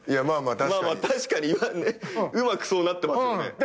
まあまあ確かにうまくそうなってますよね。